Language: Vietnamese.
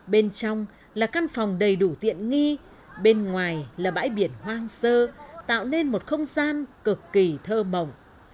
bên trong là căn phòng đầy đủ tiện nghi bên ngoài là bãi biển hoang sơ tạo nên một không gian cực kỳ thơ mộng